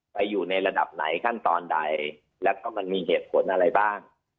อยู่ในระดับไหนขั้นตอนใดแล้วก็มันมีเหตุผลอะไรบ้าง